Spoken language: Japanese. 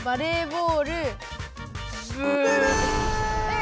え？